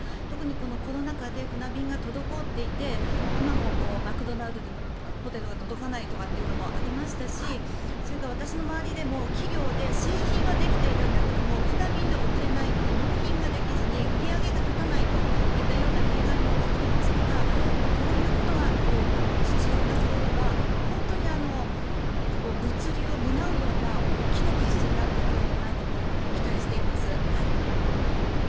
特にこのコロナ禍で船便が滞っていて今もマクドナルドでもポテトが届かないとかもありましたしそれから私の周りでも企業で製品はできているんだけど船便で送れないので納品ができずに売り上げが立たないといったような弊害も起きていますからこういうことが実用化されれば本当に物流を担うような大きな技術になっていくように思い期待しています。